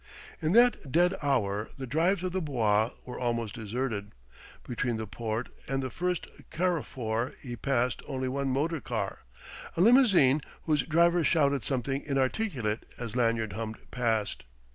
In that dead hour the drives of the Bois were almost deserted. Between the porte and the first carrefour he passed only one motor car, a limousine whose driver shouted something inarticulate as Lanyard hummed past.